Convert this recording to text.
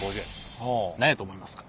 何やと思いますか？